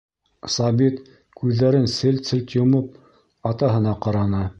Сабит, күҙҙәрен селт-селт йомоп, атаһына ҡараны.